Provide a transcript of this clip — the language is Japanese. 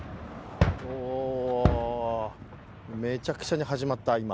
めちゃくちゃに始まった、今。